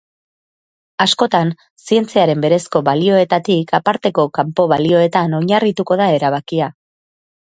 Askotan, zientziaren berezko balioetatik aparteko kanpo-balioetan oinarrituko da erabakia.